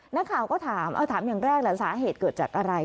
นักข่าวก็ถามเอาถามอย่างแรกแหละสาเหตุเกิดจากอะไร